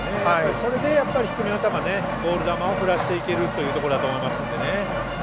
それで低めの球、ボール球を振らせていけるというところだと思いますんでね。